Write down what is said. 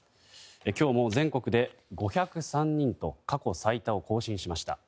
今日も全国で５０３人と過去最多を更新しました。